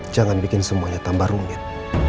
jangan bikin semuanya tambah rumit